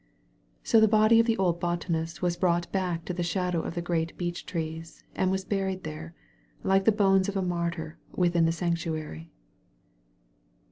So the body of the old botanist was brought back to the shadow of the great beech trees, and was buried there, like the bones of a martyr, within the sanctuary.